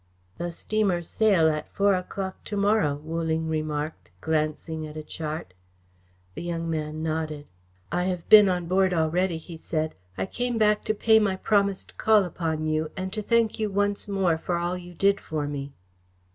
"The steamer sail at four o'clock to morrow," Wu Ling remarked, glancing at a chart. The young man nodded. "I have been on board already," he said. "I came back to pay my promised call upon you and to thank you once more for all you did for me."